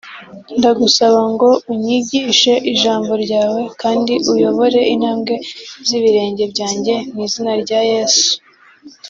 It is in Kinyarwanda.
ndagusaba ngo unyigishe ijambo ryawe kandi uyobore intambwe z'ibirenge byanjye mwizina rya yesu